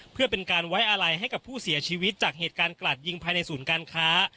เพื่อเป็นการไว้อาลัยให้กับผู้เสียชีวิตจากเหตุการณ์กลาดยิงภายในศูนย์การค้า